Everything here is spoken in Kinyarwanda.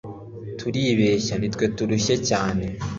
Turibeshya Ni twe turushye cyane